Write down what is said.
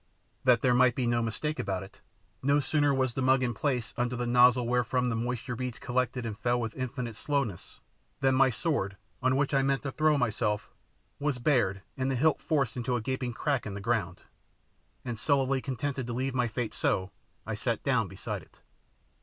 That there might be no mistake about it, no sooner was the mug in place under the nozzle wherefrom the moisture beads collected and fell with infinite slowness, than my sword, on which I meant to throw myself, was bared and the hilt forced into a gaping crack in the ground, and sullenly contented to leave my fate so, I sat down beside it.